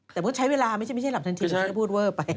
แต่มันก็ใช้เวลาไม่ใช่หลับทันทีก็พูดเว่อไป